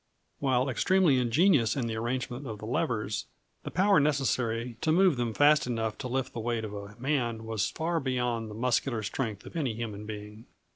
While extremely ingenious in the arrangement of the levers, the power necessary to move them fast enough to lift the weight of a man was far beyond the muscular strength of any human being.